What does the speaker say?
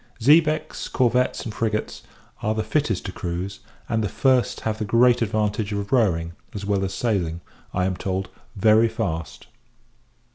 Xebecs, corvettes, and frigates, are the fittest to cruize; and the first have the great advantage of rowing, as well as sailing, I am told, very fast.